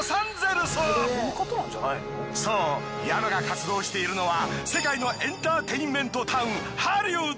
そうＹＡＭＡが活動しているのは世界のエンターテインメントタウン